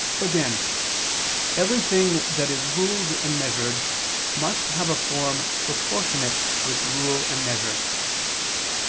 Again, everything that is ruled and measured must have a form proportionate to its rule and measure.